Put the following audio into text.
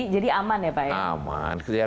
jadi aman ya pak ya